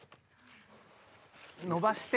伸ばして。